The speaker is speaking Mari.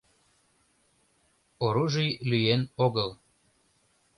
Оружий лӱен-огыл.